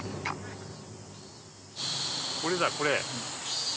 これだこれ。